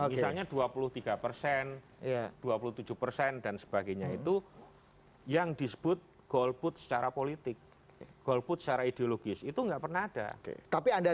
misalnya dua puluh tiga persen dua puluh tujuh persen dan sebagainya itu yang disebut golput secara politik golput secara ideologis itu nggak pernah ada